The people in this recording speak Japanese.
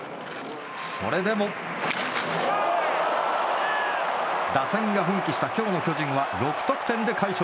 それでも打線が奮起した今日の巨人は６得点で快勝。